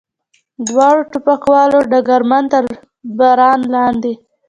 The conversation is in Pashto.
دواړو ټوپکوالو ډګرمن تر باران لاندې.